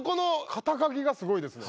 肩書がすごいですね。